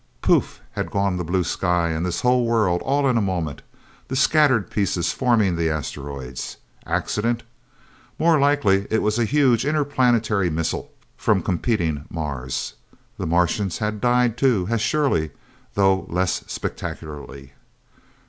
Poof had gone the blue sky and this whole world, all in a moment, the scattered pieces forming the asteroids. Accident? More likely it was a huge, interplanetary missile from competing Mars. The Martians had died, too as surely, though less spectacularly.